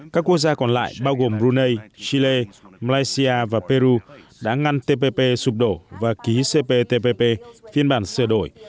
các quốc gia còn lại bao gồm brunei chile malaysia và peru đã ngăn tpp sụp đổ và ký cptpp phiên bản sửa đổi